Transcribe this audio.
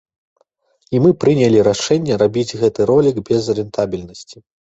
І мы прынялі рашэнне рабіць гэты ролік без рэнтабельнасці.